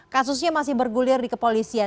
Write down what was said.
kasusnya masih bergulir di kepolisian